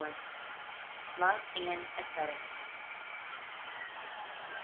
Love and AEsthetics.